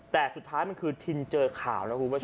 แต่สุดท้ายมันคือทินเจอข่าวนะคุณผู้ชม